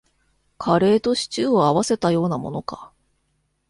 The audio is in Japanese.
カレーとシチューを合わせたようなものか